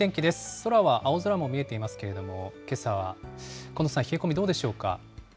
空は青空も見えていますけれども、けさは、近藤さん、冷え込みどうでしょうか。